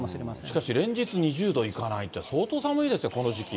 しかし、連日２０度いかないって、相当寒いですね、この時期。